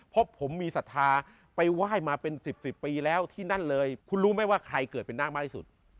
เพราะผมมีศรัทธาไปไหว้มาเป็น๑๐๑๐ปีแล้วที่นั่นเลยคุณรู้ไหมว่าใครเกิดเป็นนาคมากที่สุด